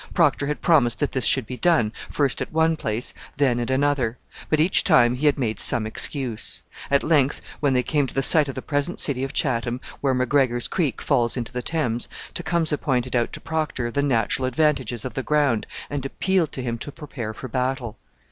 Procter had promised that this should be done, first at one place, then at another; but each time he had made some excuse. At length, when they came to the site of the present city of Chatham, where McGregor's Creek falls into the Thames, Tecumseh pointed out to Procter the natural advantages of the ground and appealed to him to prepare for battle.